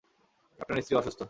ক্যাপ্টেনের স্ত্রী অসুস্থ।